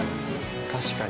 確かに。